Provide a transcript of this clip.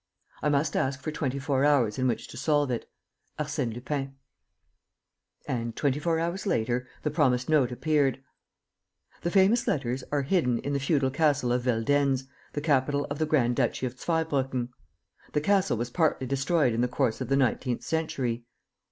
"I must ask for twenty four hours in which to solve it. "ARSÈNE LUPIN." And, twenty four hours later, the promised note appeared: "The famous letters are hidden in the feudal castle of Veldenz, the capital of the Grand duchy of Zweibrucken. The castle was partly destroyed in the course of the nineteenth century.